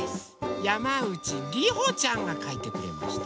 やまうちりほちゃんがかいてくれました。